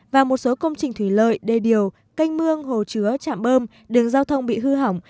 và một số công trình thủy lợi đê điều canh mương hồ chứa chạm bơm đường giao thông bị hư hỏng